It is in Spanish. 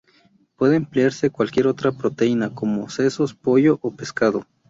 Puede emplearse cualquier otra proteína, como sesos, pollo o pescado.